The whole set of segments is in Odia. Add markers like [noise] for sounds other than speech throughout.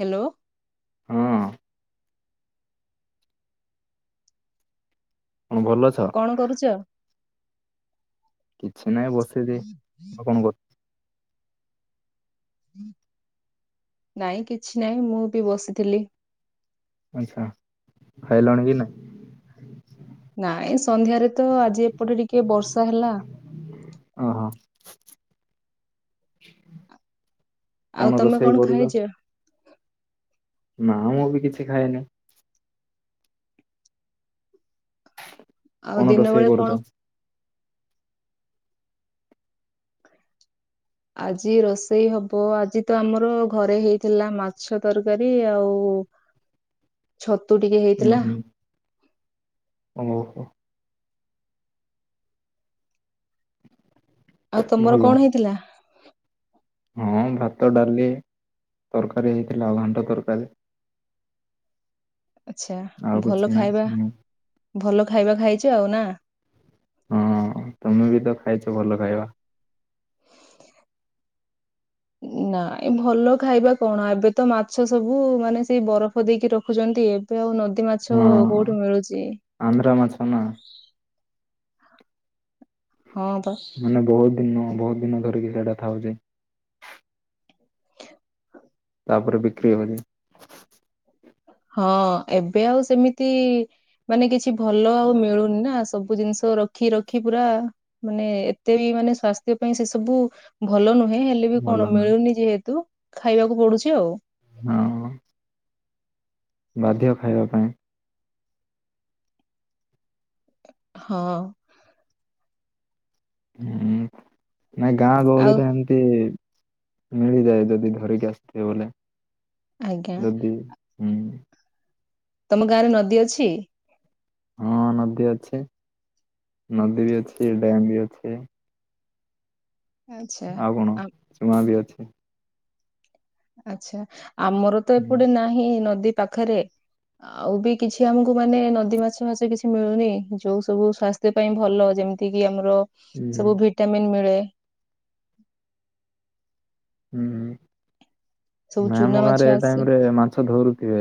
ହ୍ୟାଲୋ। ହଁ। କଣ ଭଲ ଅଛ? କଣ କରୁଚ? କିଛି ନାହିଁ ବସିଚି ଆଉ କଣ କର ନାଇଁ କିଛି ନାହିଁ ମୁଁ ବି ବସିଥିଲି। ଆଛା ଖାଇଲଣି କି ନାଇଁ? ନାଇଁ ସନ୍ଧ୍ୟାରେ ତ ଆଜି ଏପଟେ ଟିକେ ବର୍ଷା ହେଲା ଓହୋ ଆଉ କଣ ତମେ ରୋଷେଇ କରୁଚ? ଖାଇଛ? ନାଁ ମୁଁ ବି କିଛି ଖାଇନି। ଆଉ କଣ ଦିନ ରୋଷେଇ ବେଳେ କରୁଚ? କଣ ଆଜି ରୋଷେଇ ହବ ଆଜି ତ ଆମର ଘରେ ହେଇଥିଲା ମାଛ ତରକାରୀ ଆଉ ଛତୁ ଟିକେ ଉଁ ହେଇଥିଲା, ହୁଁ ଓହୋ ଆଉ ତମର ଭଲ କଣ ହେଇଥିଲା? ହଁ ଭାତ, ଡାଲି, ତରକାରୀ ହେଇଥିଲା ଆଉ ଘାଣ୍ଟ ତରକାରୀ। [unintelligible] ଆଛା ଆଉ କିଛି ଭଲ ନାହିଁ ଖାଇବା ହୁଁ। ଭଲ ଖାଇବା ଖାଇଛ ଆଉ ନାଁ। ହଁ ତମେ ବି ତ ଖାଇଛ ଭଲ ଖାଇବା। ନାଁ ଏ ଭଲ ଖାଇବା କଣ ଏବେ ତ ମାଛ ସବୁ ମାନେ ସେଇ ବରଫ ଦେଇକି ରଖୁଛନ୍ତି ଏବେ ଆଉ ନଦୀ ମାଛ ହଁ କୋଉଠୁ ମିଳୁଛି? ଆନ୍ଧ୍ରା ମାଛ ନା ହଁ ବା ମାନେ ବହୁତ ଦିନ ବହୁତ ଦିନ ଧରିକି ସେଇଟା ଖାଉଛେ। ତାପରେ ବିକ୍ରି ହେଉଛି ହଁ ଏବେ ଆଉ ସେମିତି ମାନେ କିଛି ଭଲ ଆଉ ମିଳୁନି ନାଁ ସବୁ ଜିନିଷ ରଖି ରଖି ପୁରା ମାନେ ଏତେ ବି ମାନେ ସ୍ଵାସ୍ଥ୍ୟ ପାଇଁ ସେସବୁ ଭଲ ନୁହଁ ନୁହେଁ ହେଲେ ବି ଭଲ କଣ ନା ମିଳୁନି ଯେହେତୁ ଖାଇବାକୁ ପଡୁଛି ଆଉ। ହଁ ବାଧ୍ୟ ଖାଇବା ପାଇଁ। ହଁ ହୁଁ ନାଇଁ ଗାଁ ଆଉ ଗହଳିରେ ଏମିତି ମିଳିଯାଏ ଯଦି ଧରିକି ଆସିଥିବେ ବୋଲେ। ଆଜ୍ଞା ଯଦି ହୁଁ ତମ ଗାଁରେ ନଦୀ ଅଛି? ହଁ ନଦୀ ଅଛି ନଦୀ ବି ଅଛି ଡ୍ୟାମ ବି ଅଛି। ଆଚ୍ଛା ଆଉ କଣ ଆ- ଚୁଆ ବି ଅଛି। ଆଛା ଆମର ତ ହୁଁ ଏପଟେ ନାହିଁ ନଦୀ ପାଖରେ ଆଉ ବି କିଛି ଆମକୁ ମାନେ ନଦୀ ମାଛ ମାଛ କିଛି ମିଳୁନି ଯୋଉଁ ସବୁ ସ୍ଵାସ୍ଥ୍ୟ ପାଇଁ ଭଲ ଯେମିତି କି ଆମର ହୁଁ ସବୁ ଭିଟାମିନ୍ ମିଳେ। ହୁଁ। ସବୁ ନ ଚୁନା ଆମ ମାଛ ଗାଁରେ ଏ ଆସେ ଟାଇମ ରେ ମାଛ ଧରୁଥିବେ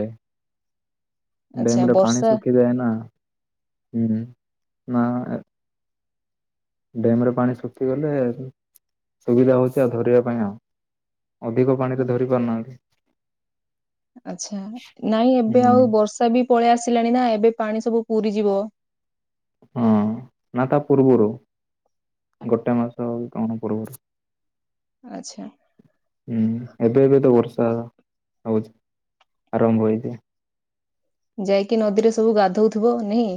ଆଚ୍ଛା ଡ୍ୟାମ ରେ ପାଣି ବର୍ଷା ସୁଖି ଯାଏ ହୁଁ ନାଁ ଡ୍ୟାମ ରେ ପାଣି ଶୁଖିଗଲେ ସୁବିଧା ହଉଛି ଆଉ ଧରିବା ପାଇଁ ଆଉ ଅଧିକ ପାଣି ରେ ଧରି ପାରୁନାହାନ୍ତି। ଆଛା ନାଇଁ ଏବେ ହୁଁ ଆଉ ବର୍ଷା ବି ପଳେଇ ଆସ ଲାଣି ନା ଏବେ ପାଣି ସବୁ ପୁରରିଯିବ ହଁ ନାଁ ତାପୂର୍ବରୁ ଗୋଟେ ମାସ ଆଉ କଣ ପୂର୍ବରୁ ଆଚ୍ଛା ହୁଁ ଏବେ ଏବେ ତ ବଷ ହଉଛି ଆରମ୍ଭ ହୋଇଥାଏ। ଯାଇକି ନଦୀରେ ସବୁ ଗାଧଉଥିବ ନାଇଁ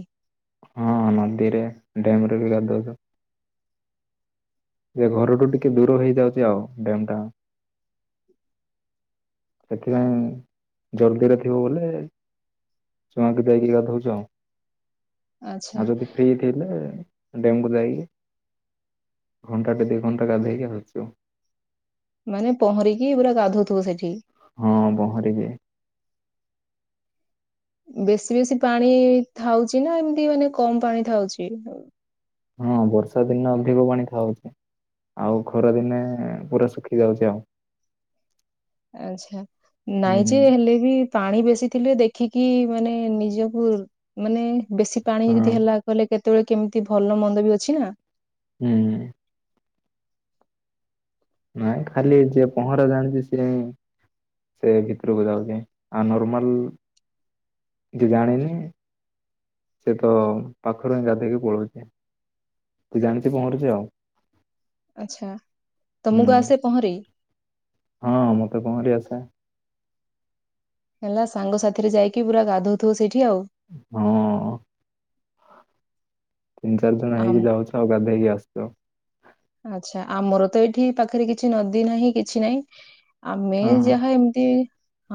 ହଁ ନଦୀରେ ଡ୍ୟାମରେ ବି ଗାଧଉଚୁ। ଯେ ଘରଠୁ ଟିକେ ଦୂର ହେଇଯାଉଛି ଆଉ ଡ୍ୟାମ୍ ଟା ସେଥିପାଇଁ ଜଲଦିରେ ଥିବ ବୋଲେ [unintelligible] ଯାଇକି ଗାଧଉଛୁ ଆଉ। ଆଚ୍ଛା ଆଉ ଯଦି ଫ୍ରି ଥିଲେ ଡ୍ୟାମକୁ ଯାଇକି ଘଣ୍ଟା ଟେ ଦିଇ ଘଣ୍ଟା ଗାଧଇକି ଆଉଚୁ ଆଉ। ମାନେ ପହଁରିକି ପୁରା ଗାଧଉଥିବ ସେଠି ହଁ ପହଁରିବି ବେଶୀ ବେଶୀ ପାଣି ଥାଉଛି ନା ଏମିତି ମାନେ କମ ପାଣି ଥାଉଛି ହଁ ବର୍ଷା ଦିନ ଅଧିକ ପାଣି ଖାଉଛି। ଆଉ ଖରା ଦିନେ ପୁରା ଶୁଖି ଯାଉଛି ଆଉ। ଆଛା ନାଇଁ ହୁଁ ଯେ ହେଲେ ବି ପାଣି ବେଶୀ ଥିଲେ ଦେଖିକି ମାନେ ନିଜକୁ ମାନେ ବେଶୀ ପାଣି ହଁ ଯଦି ହେଲା କହିଲେ କେତେବେଳେ କେମିତି ଭଲ ମନ୍ଦ ବି ଅଛି ନା ହୁଁ। ନାଇଁ ଖାଲି ଯିଏ ପହଁରା ଜାଣିଛି ସିଏ ସେ ଭିତରକୁ ଯାଉଛି ଆଉ ନର୍ମାଲ କି ଜାଣିନି ସେ ତ ପାଖରୁ ହିଁ ଗାଧେଇକି ପଳଉଛି। ତୁ ଜାଣିଛୁ ପହଁରୁଛି ଆଉ। ଆଛା ତମକୁ ହୁଁ ଆସେ ପହଁରି? ହଁ ମତେ ପହଁରି ଆସେ। ହେଲା ସାଙ୍ଗ ସାଥିରେ ଯାଇକି ପୁରା ଗାଧଉଥିବ ସେଇଠି ଆଉ। ହଁ ତିନି ଚାରି ଜଣ ହେଇକି ଆମ ଯାଉଛୁ ଆଉ ଗାଧେଇକି ଆସଚୁ ଆଉ। ଆଚ୍ଛା ଆମର ତ ଏଇଠି ପାଖରେ କିଛି ନଦୀ ନାହିଁ କିଛି ନାହିଁ ଆମେ ହଁ ହଁ ଯାହା ଏମିତି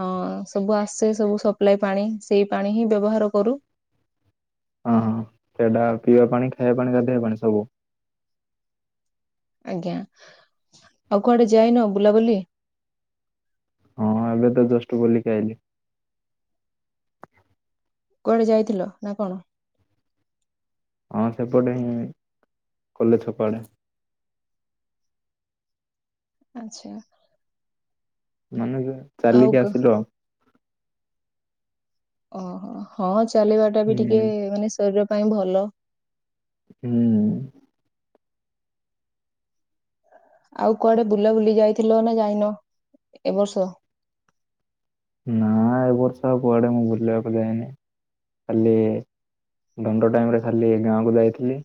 ହଁ ସବୁ ଆସେ ସବୁ ସପ୍ଲାାଇ ପାଣି ସେଇ ପାଣି ହିଁ ବ୍ୟବହାର କରୁ। ଅ ହଁ ସେଟା ପିଇବା ପାଣି ଖାଇବା ପାଣି ଗାଧେଇବା ପାଣି ସବୁ। ଆଜ୍ଞା ଆଉ କୁଆଡେ ଯାାଇନ ବୁଲାବୁଲି ହଁ ଏବେ ତ ଜଷ୍ଟ ବୁଲିକି ଆାଇଲି। କୁଆଡେ ଯାଇଥିଲ ନା କଣ? ହଁ ସେପଟେ ହି କଲେଜ ଛକ ଆଡେ। ଆଚ୍ଛା। ମାନେ ଆଉ ଚାଲିକି କ ଆସିଲୁ ଆଉ। ଓହୋ ହଁ ଚାଲିବା ଟା ବି ଟିକେ ହୁଁ ମାନେ ଶରୀର ପାଇଁ ଭଲ। ହୁଁ। ଆଉ କୁଆଡେ ବୁଲାବୁଲି ଯାଇଥିଲ ନା ଯାଇନ ଏ ବର୍ଷ? ନା ଏ ବର୍ଷ କୁଆଡେ ମୁଁ ବୁଲିବାକୁ ଯାଇନି। ଖାଲି ଦଣ୍ଡ ଟାଇମରେ ଖାଲି ଗାଁକୁ ଯାଇଥିଲି।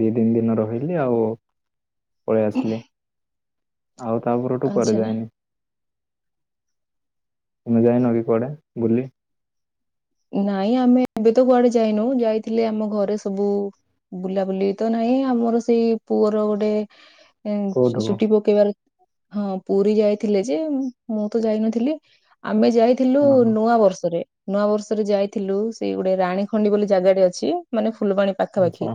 ଦି ତିନି ଦିନ ରହିଲି ଆଉ ପଳେଇ ଆସିଲି। ଆଉ ତାପର ଟୁ କୁଆଡେ ଆଚ୍ଛା ଯାଇନି। ତମେ ଯାଇନ କି କଆଡେ ବୁଲି? ନାଇଁ ଆମେ ଏବେ ତ କୁଆଡେ ଯାଇନୁ ଯାଇଥିଲେ ଆମ ଘରେ ସବୁ ବୁଲାବୁଲି ତ ନାହିଁ ଆମର ସେଇ ପୁଅର ଗୋଟେ ଏଁ କୋଉଠୁକୁ ଚୁଟି ପକେଇ ବାର ହଁ ପୁରୀ ଯାଇଥିଲେ ଯେ ମୁଁ ତ ଯାଇନଥିଲି। ଆ ଆମେ ଯାଇଥିଲୁ ଓହୋ ନୂଆ ବର୍ଷରେ ନୂଆ ବର୍ଷ ଯାଇଥିଲୁ ସେ ଗୋଟେ ରାଣୀ ଖଣ୍ଡି ବୋଲି ଜାଗାଟେ ଅଛି, ମାନେ ଫୁଲବାଣୀ ପାଖାପାଖି ଆଚ୍ଛା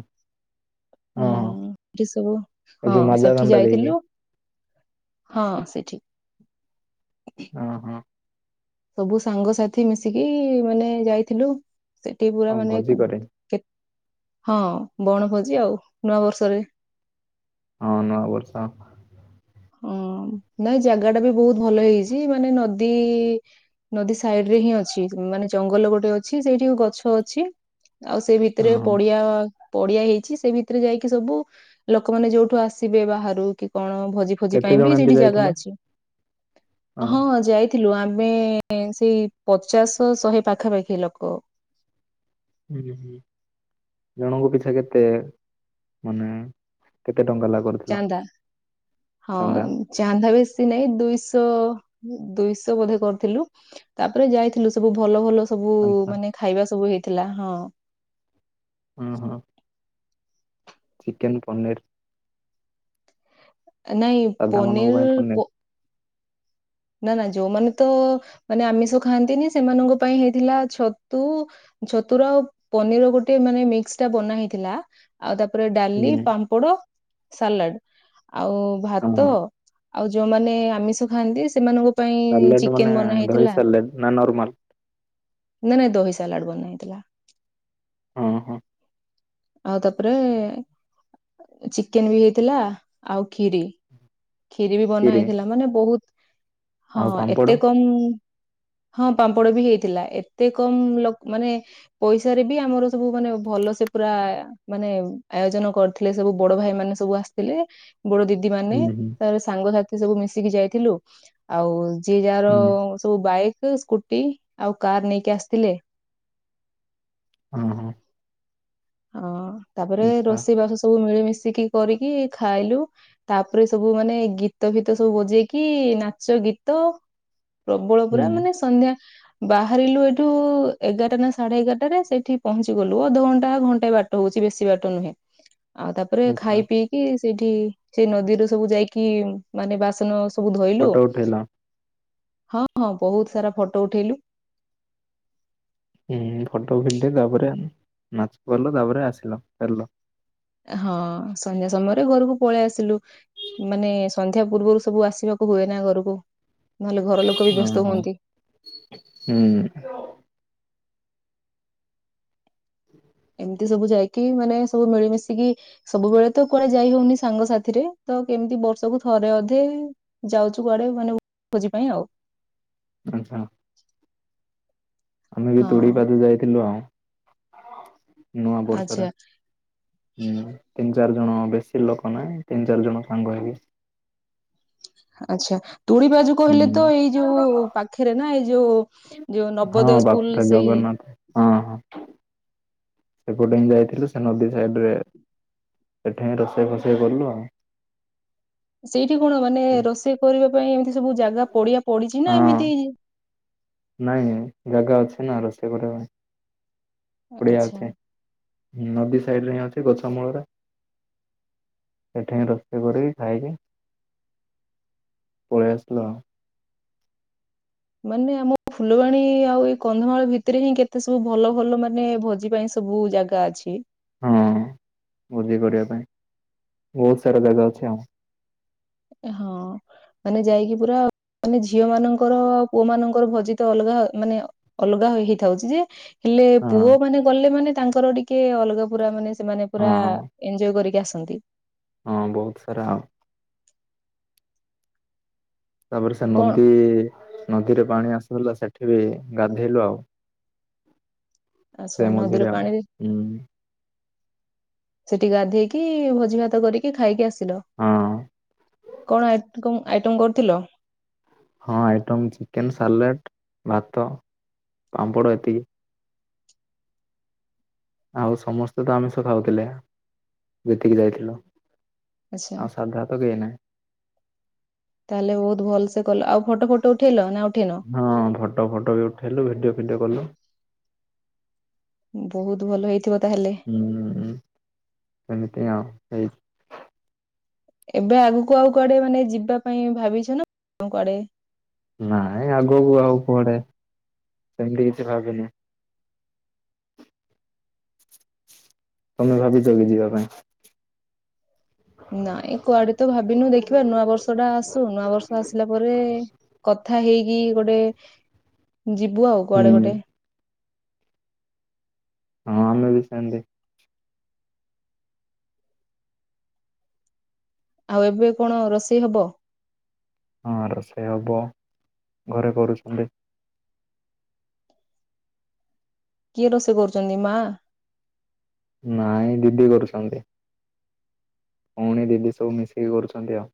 ହଁ ହଁ ହୁଁ ସେସବୁ ଏ ହଁ ଯୋଉ ମାଜା ସେଠି ଦଣ୍ଡା ଦେଇକି ଯାଇଥିଲୁ ହଁ ସେଠି ହଁ ହଁ। ସବୁ ସାଙ୍ଗସାଥି ମିଶିକି ମାନେ ଯାଇଥିଲୁ। ସେଠି ପୁରା ଆଉ ମାନେ ଭୋଜି କରି କେ ହଁ ବଣଭୋଜି ଆଉ ନୂଆ ବର୍ଷରେ ହଁ ନୂଆ ବର୍ଷ ହଁ ନାଇଁ ଜାଗା ଟା ବି ବହୁତ ଭଲ ହେଇଛି ମାନେ ନଦୀ ନଦୀ ସାଇଡ ରେ ହିଁ ଅଛି ମାନେ ଜଙ୍ଗଲ ଗୋଟେ ଅଛି ସେଇଠି ଗଛ ଅଛି। ଆଉ ସେ ଭିତରେ ହଁ ହଁ ପଡିଆ ପଡିଆ ହେଇଛି ସେ ଭିତରେ ଯାଇକି ସବୁ ଲୋକମାନେ ଯୋଉଠୁ ଆସିବେ ବାହାରୁ କି କଣ ଭଲ ଖୋଜି କେତେ ପାଇଁ ଜଣ ବି ସେଇଠି ଏମିତି ଜାଗା ଯାଇଥିଲ ଅଛି ହଁ ଯାଇ ଥିଲୁ ଆମେ ସେଇ ପଚାଶ ଶହେ ପାଖାପାଖି ଲୋକ ଜଣଙ୍କ ପିଛା କେତେ ମାନେ କେ ଚାନ୍ଦା ହଁ ଚାନ୍ଦା ଚାନ୍ଦା ବି ନାଇ ଦୁଶହ ଦୁଶହ ବୋଧେ କରିଥିଲୁ ତାପରେ ଯାଇଥିଲୁ ସବୁ ଭଲ ଭଲ ସବୁ ଆଚ୍ଛା ମାନେ ଖାଇବା ସବୁ ହେଇଥିଲା ହଁ। ହ ହୋ। ଚିକେନ ପନିର୍ ନାଇଁ ସାଧା ମାନଙ୍କ ପାଇଁ ପନିର ପ ନା ନା ଯୋଉମାନେ ତ ମାନେ ଆମିଷ ଖାଆନ୍ତିନି ସେମାନଙ୍କ ପାଇଁ ହେଇଥିଲା ଛତୁ। ଛତୁର ଆଉ ପନିର ଗୋଟେ ମାନେ ମିକ୍ସ ଟା ବନା ହେଇଥିଲା ଆଉ ତାରେ ତାପରେ ଡାଲି ହୁଁ ପାମ୍ପଡ ସାଲାଡ ଆଉ ହଁ ଭାତ ହଁ ଆଉ ଯୋଉମାନେ ଆମିଷ ଖାଆନ୍ତି ସେମାନଙ୍କୁ ସଲେଡ ମାନେ ଦହି ସାଲାଡ଼ ନା ନର୍ମାଲ ନାଇଁ ନାଇଁ ଦହି ସାଲାଡ ବନା ହେଇଥିଲା। ହଁ ହଁ। ଆଉ ତାପରେ ଚିକେନ ବି ହେଇଥିଲା, ଆଉ ଖିରି ଖିରି ବି ବନା ହେଇଥିଲା ମାନେ ବହୁତ ହଁ ଆଉ ଏତେ ପାମ୍ପଡ଼ କମ୍। ହଁ ପାମ୍ପଡ ବି ହେଇଥିଲା, ଏତେ କମ ଲ ମାନେ ପଇସା ରେ ବି ଆମର ସବୁ ମାନେ ଭଲ ସେ ପୁରା ମାନେ ଆୟୋଜନ କରିଥିଲେ, ସବୁ ବଡ ଭାଇ ମାନେ ସବୁ ଆସିଥିଲେ। ବଡ ଦିଦି ମାନେ ହୁଁ ହୁଁ ତାର ସାଙ୍ଗସଥି ସବୁ ମିଶିକି ଯାଇଥିଲୁ ଆଉ ଯେ ଯାହାର ହୁଁ ସବୁ ବାଇକ୍ ସେ ସ୍କୁଟି ଆଉ କାର ନେଇକି ଆସିଥିଲେ। ହଁ ହଁ। ହଁ ତାପରେ ଆଚ୍ଛା ରୋଷେଇ ବାସ ସବୁ ମିଳିମିଶି ମିଶିକି କରିକି ଖାଇଲୁ ତାପରେ ସବୁ ମାନେ ଗୀତ ଫିତ ସବୁ ବଜେଇକି ନାଚ ଗୀତ ପ୍ରବଳ ହୁଁ ପୁରା ମାନେ ସନ୍ଧ୍ୟା ବାହାରିଲୁ ଏଠୁ ଏଗାରଟା ନା ସାଢେ ଏଗାରଟାରେ ସେଇଠି ପହଞ୍ଚି ଗଲୁ ଅଧଘଣ୍ଟା ଘଣ୍ଟା ଗଟ [unintelligible] ବାଟ ହଉଛି, ବେଶୀ ବାଟ ନୁହେଁ ଆଉ ତାପରେ ଆଚ୍ଛା ଖାଇ ପିଇକି ସେଇଠି ସେଇ ନଦୀରେ ସବୁ ଯାଇକି ମାନେ ବାସନ ସବୁ ଧୋଇଲୁ। ଫଟୋ ଉଠେଇଲ ହଁ ହଁ ବହୁତ ସାରା ଫଟୋ ଉଠେଇଲୁ। ହୁଁ ଫଟୋ ଫି ତାପରେ ନାଚ କରଲ ତାପରେ ଆସିଲ ଫେରିଲ। ହଁ ସନ୍ଧ୍ୟା ସମୟରେ ଘରକୁ ପଳେଇ ଆସିଲୁ, ମାନେ ସନ୍ଧ୍ୟା ପୂର୍ବରୁ ସବୁ ଆସିବା ହୁଏ ନା ଘରକୁ ନହେଲେ ଘର ଲୋକ ବି ବ୍ୟସ୍ତ ଓହୋ ହୁଅନ୍ତି। ହୁଁ ଏମିତି ସବୁ ଯାଇକି ମାନେ ସବୁ ମିଳିମିଶିକି ସବୁବେଳେ ତ କୁଆଡେ ଯାଇ ହଉନି ସାଙ୍ଗ ସାଥିରେ ତ କେମିତି ବର୍ଷକୁ ଥରେ ଅଧେ ଯାଉଛୁ କୁଆଡେ ମାନେ ଭୋଜି ପାଇଁ ଆଉ। ଆଚ୍ଛା ଆମେ ବି ହଁ ତୁଡି ପାଦି ଯାଇଥିଲୁ ଆଉ। ନୂଆ ବର୍ଷରେ। ଆଚ୍ଛା ହୁଁ ତିନି ଚାରି ଜଣ ବେଶୀ ଲୋକ ନାହିଁ ତିନି ଚାରି ଜଣ ସାଙ୍ଗ ହେଇକି ଆଚ୍ଛା। ତୁଳି ବାଜୁ କହିଲେ ହୁଁ ତ ଏଇ ଯୋଉ ପାଖେରେ ନା? ଏଇ ଯୋଉ ଯୋଉ ହଁ ନବଦୋୟ ସ୍କୁଲ ବାପୁଟା ସେଇ ଜଗନ୍ନାଥ ହଁ ହଁ। ସେପଟେ ହିଁ ଯାଇଥିଲୁ। ସେ ନଦୀ ସାଇଡରେ ଏଠେଇଁ ରୋଷେଇ ଫୋଷେଇ କଲୁ ଆଉ। ସେଇଠି କଣ ମାନେ ରୋଷେଇ କରିବା ପାଇଁ ଏମିତି ସବୁ ଜାଗା ପଡିଆ ପଡିଛି ନା ହଁ ଏମିତି? ନାଇଁ, ଜାଗା ଅଛି ନା ରୋଷେଇ କରିବା ପାଇଁ। ପଡିଆ ଆଚ୍ଛା ଅଛି। ନଦୀ ସାଇଡରେ ହିଁ ଅଛି ଗଛ ମୂଳରେ। ସେଠେଇଁ ରୋଷେଇ କରିକି ଖାଇକି ପଳେଇଆସିଲୁ ଆଉ। ମାନେ ଆମ ଫୁଲବାଣୀ ଆଉ ଏଇ କନ୍ଧମାଳ ଭିତରେ ହିଁ କେତେ ସବୁ ଭଲ ଭଲ ମାନେ ଭୋଜି ପାଇଁ ସ ବୁ ଜାଗା ଅଛି। ହଁ ଭୋଜି କରିବା ପାଇଁ ବହୁତ ସାରା ଜାଗା ଅଛି ଆଉ। ହଁ ମାନେ ଯାଇକି ପୁରା ମାନେ ଝିଅମାନଙ୍କର ଆଉ ପୁଅମାନଙ୍କର ଭୋଜି ତ ଅଲଗା ମାନେ ଅଲଗା ହୋଇ ହେଇଥାଉଛି ଯେ ହେଲେ ପୁଅମାନେ ଗଲେ ମାନେ ତାଙ୍କର ଟିକେ ଅଲଗା ପୁରା ମାନେ ସେମାନେ ହଁ ପୁରା ହଁ ଏଞ୍ଜୟ୍ କରିକି ଆସ ନ୍ତି। ହଁ ବହୁତ ସାରା ଆଉ। ତାପରେ ସେ କଣ ନଦୀ ନଦୀରେ ପାଣି ଆସୁଥିଲା ସେଠି ବି ଗାଧେଇଲୁ ଆଉ। ଆଚ୍ଛା ସେ ନଦୀର ମଝିରେ ଆଉ ପାଣିରେ ଉଁ। ସେଠି ଗାଧେଇକି ଭୋଜିଭାତ କରିକି ଖାଇକି ଆସ ସିଲ। ହଁ କଣ ଆଇଟ କ ଆଇଟମ କରିଥିଲ? ହଁ ଆଇଟମ୍ ଚିକେନ ସାଲାଟ ଭାତ ପାମ୍ପଡ ଏତିକି। ଆଉ ସମସ୍ତେ ତ ଆମିଷ ଖାଉଥିଲେ ଯେତିକି ଯାଇଥିଲୁ। ଆଚ୍ଛା ଆଉ ସାଧା ତ କେହି ନାହିଁ ତାହେଲେ ବହୁତ ଭଲସେ କଲ ଆଉ ଫଟ ଫଟ ଉଠେଇଲ ନା ଆଉ ହଁ ଫଟ ଫଟ ବି ଉଠେଇଲୁ ଭିଡିଓ ଫିଡିଓ କଲୁ। ବହୁତ ଭଲ ହେଇଥିବ ତାହେଲେ ହୁଁ ସେମିତି ଆଉ। ହେଇ ଏବେ ଆଗୁକୁ ଆଉ କୁଆଡେ ମାନେ ଯିବା ପାଇଁ ଭାବିଛ ନା କ କୁଆଡେ? ନାଇଁ ଆଗୁକୁ ଆଉ କୁଆଡେ ସେମିତି କିଛି ଭାବିନୁ। ତମେ ଭାବିଛ କି ଯିବା ପାଇଁ? ନାଇଁ କୁଆଡେ ତ ଭାବିନୁ ଦେଖିବା ନୂଆ ବର୍ଷ ଟା ଆସୁ। ନୂଆ ବର୍ଷ ଆସିଲା ପରେ କଥା ହେଇ କି ଗୋଟେ ଯିବୁ ଆଉ ହୁଁ କୁଆଡେ ଗୋଟେ। ହଁ ଆମେ ବି ସେମତି। ଆଉ ଏବେ କଣ ରୋଷେଇ ହବ? ହଁ ରୋଷେଇ ହବ। ଘରେ କରୁଛନ୍ତି। କିଏ ରୋଷେଇ କରୁଛନ୍ତି ମା? ନାଇଁ ଦିଦି କରୁଛନ୍ତି। ପୁଣି ଦିଦି ସବୁ ମିଶିକି କରୁଛନ୍ତି ଆଉ।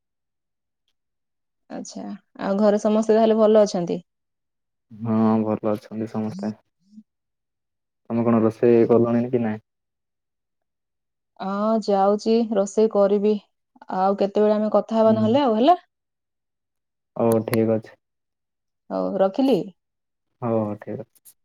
ଆଚ୍ଛା ଆଉ ଘରେ ସମସ୍ତେ ତାହେଲେ ଭଲ ଅଛନ୍ତି? ହଁ ଭଲ ଅଛନ୍ତି ସମସ୍ତେ। ତମେ କଣ ରୋଷେଇ କଲଣି କି ନାଇଁ? ହଁ ଯାଉଛି ରୋଷେଇ କରିବି। ଆଉ କେତ୍ କେତେବେଳେ ଆମେ କଥା ହବା ହୁଁ। ନହେଲେ ଆଉ, ହେଲା। ହଉ ଠିକ ଅଛି। ହଉ ରଖିଲି। ହଉ ହଉ ଠିକ ଅଛି।